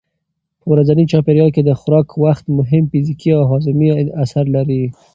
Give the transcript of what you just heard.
په ورځني چاپېریال کې د خوراک وخت مهم فزیکي او هاضمي اثر لري.